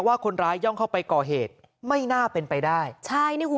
ว่าคนร้ายย่องเข้าไปก่อเหตุไม่น่าเป็นไปได้ใช่นี่คุณ